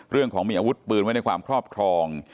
เรื่องของมีอาวุธปืนไว้ในความครอบครอง